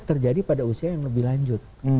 terjadi pada usia yang lebih lanjut